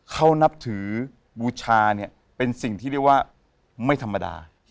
เขานับถือบูชาเนี่ยเป็นสิ่งที่เรียกว่าไม่ธรรมดา